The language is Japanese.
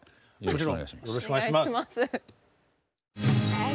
よろしくお願いします！